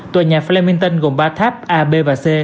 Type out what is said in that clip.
tòa nhà flemington gồm ba tháp a b và c